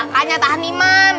makanya tahan iman